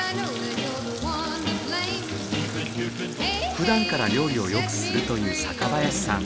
ふだんから料理をよくするという坂林さん。